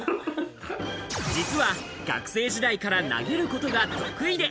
実は学生時代から投げることが得意で。